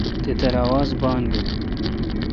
تترہ آواز بان بیل۔